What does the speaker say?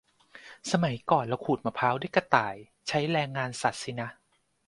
สมัยก่อนเราขูดมะพร้าวด้วยกระต่าย ใช้แรงงานสัตว์สินะ